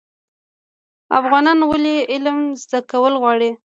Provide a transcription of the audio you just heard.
افغانان ولې علم زده کول غواړي؟